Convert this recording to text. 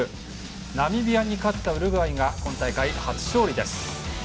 ナミビアに勝ったウルグアイが今大会初勝利です。